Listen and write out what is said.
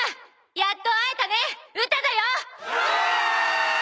やっと会えたねウタだよ！」